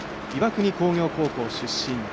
岩国工業高校出身